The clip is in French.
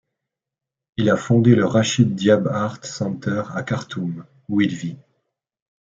Il a fondé le Rashid Diab Art Center à Khartoum, où il vit.